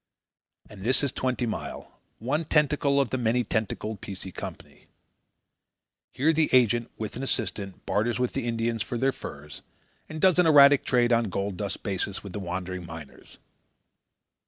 And this is Twenty Mile, one tentacle of the many tentacled P. C. Company. Here the agent, with an assistant, barters with the Indians for their furs, and does an erratic trade on a gold dust basis with the wandering miners.